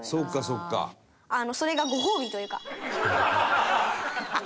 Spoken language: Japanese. それがご褒美というか。